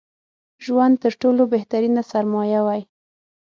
ژوند تر ټولو بهترينه سرمايه وای